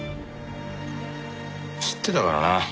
知ってたからな。